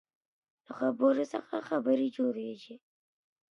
¬ د خبرو څخه خبري جوړېږي.